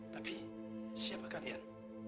tapi siapa kalian